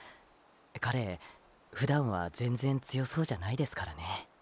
彼普段は全然強そうじゃないですからね。